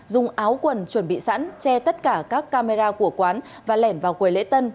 dùng áo quần chuẩn bị sẵn che tất cả các camera của quán và lẻn vào quầy lễ tân